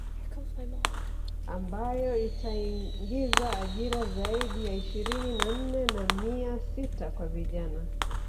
Ambayo itaingiza ajira zaidi ya ishirini na nne na mia sita kwa vijana